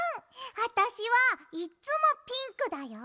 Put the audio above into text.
わたしはいっつもピンクだよ。